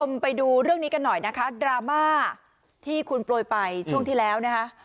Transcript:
ไปดูเรื่องนี้กันหน่อยนะคะดราม่าที่คุณโปรยไปช่วงที่แล้วนะคะ